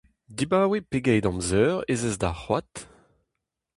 Dibaoe pegeit amzer ez ez d'ar c'hoad ?